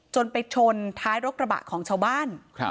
ไปชนท้ายรถกระบะของชาวบ้าน